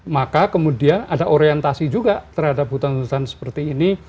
maka kemudian ada orientasi juga terhadap hutan hutan seperti ini